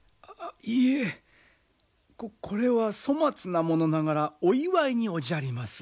いえここれは粗末なものながらお祝いにおじゃります。